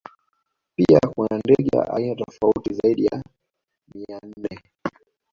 Pia kuna ndege wa aina tofauti zaidi ya mia nne